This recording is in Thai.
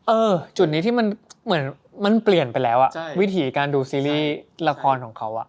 จุดนี้ที่มันเหมือนมันเปลี่ยนไปแล้วอ่ะวิถีการดูซีรีส์ละครของเขาอ่ะ